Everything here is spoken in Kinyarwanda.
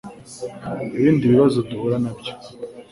Ibindi bibazo duhura nabyo